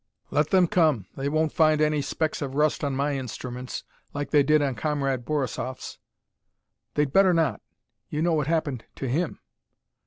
"Let them come. They won't find any specks of rust on my instruments, like they did on Comrade Borisoff's." "They'd better not. You know what happened to him."